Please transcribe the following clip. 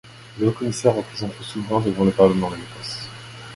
Le Haut-commissaire représente le souverain devant le Parlement d'Écosse.